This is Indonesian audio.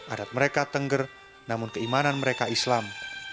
adat mereka tengger namun keimanan mereka islam